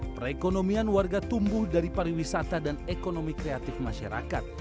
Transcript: perekonomian warga tumbuh dari pariwisata dan ekonomi kreatif masyarakat